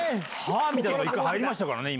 はぁ？みたいのが一回入りましたからね